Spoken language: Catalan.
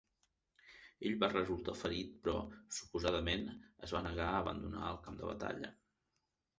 Ell va resultar ferit però, suposadament, es va negar a abandonar el camp de batalla.